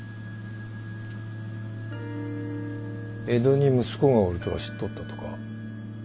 江戸に息子がおるとは知っとったとか？